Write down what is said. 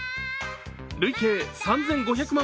累計３５００万